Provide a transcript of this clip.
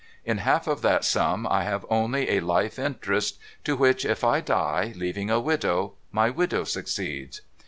In half of that sum I have only a life interest, to which, if I die, leaving a widow, my widow succeeds.